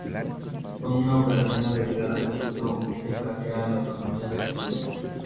Fue una operación arriesgada que puso en jaque a la economía del club.